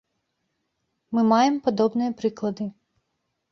Мы маем падобныя прыклады.